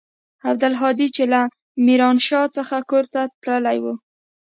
عبدالهادي چې له ميرانشاه څخه کور ته تللى و.